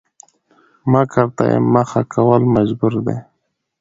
مکر ته يې مخه کول مجبوري ده؛